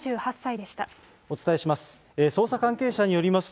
お伝えします。